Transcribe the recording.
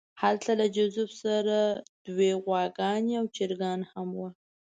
هلته له جوزف سره دوې غواګانې او چرګان هم وو